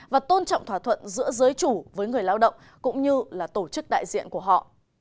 và tôn trọng thỏa thuận giữa giới chủ với người lao động cũng như là tổ chức đại diện của họ